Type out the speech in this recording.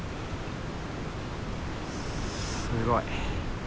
すごい。